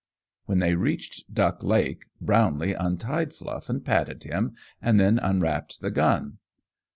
When they reached Duck Lake, Brownlee untied Fluff and patted him, and then unwrapped the gun.